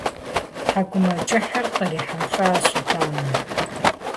Тхьэкӏумэкӏыхьыр кърихьэлӏащ итӏанэ.